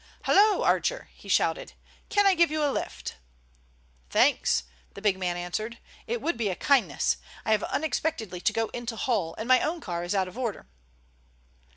"Hallo, Archer," he shouted. "Can I give you a lift?" "Thanks," the big man answered. "It would be a kindness. I have unexpectedly to go into Hull, and my own car is out of order."